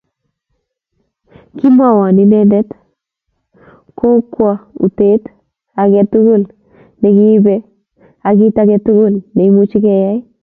Kimwoun inyendet kokwoutiet age tugul ne kiibei ak kit age tugul neimuch keyai